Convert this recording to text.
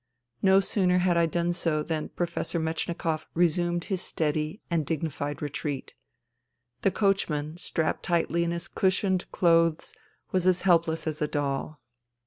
No sooner had I done so than Professor Metchnikoff resumed his steady and dignified retreat. The coachman, strapped tightly in his cushioned clothes, was helpless as a doll.